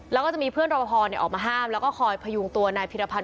แล้วก็จะมีเพื่อนรอปภออกมาห้ามแล้วก็คอยพยุงตัวนายพิรภัณ